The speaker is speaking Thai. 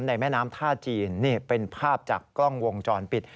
แม่น้ำท่าจีนนี่เป็นภาพจากกล้องวงจรปิด